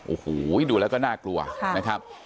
โอ้โหดูแล้วก็น่ากลัวนะครับ